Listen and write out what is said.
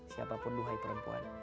siapapun luhai perempuan